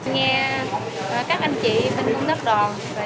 nghe các anh chị hình ứng lớp đoàn